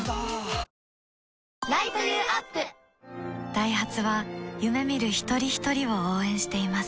ダイハツは夢見る一人ひとりを応援しています